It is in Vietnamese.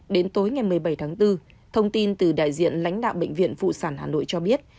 đến tối ngày một mươi bảy tháng bốn thông tin từ đại diện lãnh đạo bệnh viện phụ sản hà nội cho biết